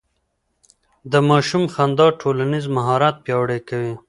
د ماشوم خندا ټولنيز مهارت پياوړی کوي.